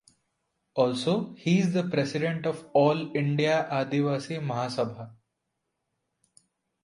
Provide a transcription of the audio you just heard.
Also he is the president of All India Adivasi Mahasabha.